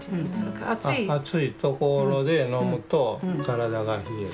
暑いところで飲むと体が冷えて。